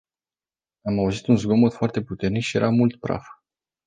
Am auzit un zgomot foarte puternic și era mult praf.